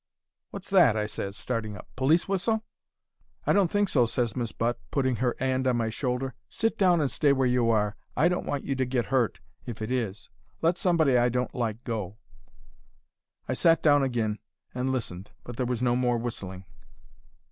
"'Wot's that?' I ses, starting up. 'Police whistle?' "'I don't think so,' ses Miss Butt, putting her 'and on my shoulder. 'Sit down and stay where you are. I don't want you to get hurt, if it is. Let somebody I don't like go.' "I sat down agin and listened, but there was no more whistling.